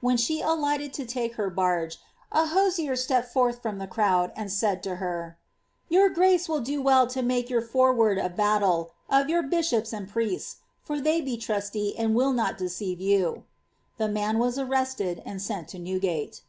When she alighted to take h^r barge, a hosier stepped forth from the crowd, and said to her —^ Your grace will do well to make your fore ward of battle, of your bishops and priests ; for they be trusty, and will not deceive you." The man was arrested and sent to Newgate.'